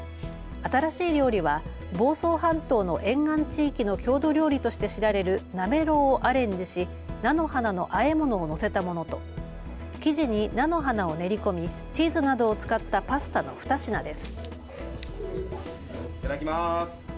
新しい料理は房総半島の沿岸地域の郷土料理として知られるなめろうをアレンジし菜の花のあえ物を載せたものと生地に菜の花を練り込みチーズなどを使ったパスタの２品です。